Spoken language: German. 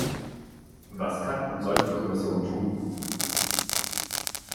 Was kann und sollte die Kommission tun?